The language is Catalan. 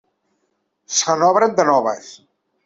Se n'obren de noves.